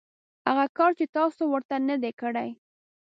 هغه کار چې تاسو ورته نه دی کړی .